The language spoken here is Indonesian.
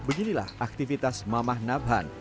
beginilah aktivitas mamah nabhan